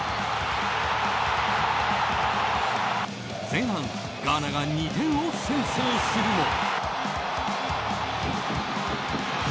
前半ガーナが２点を先制するも。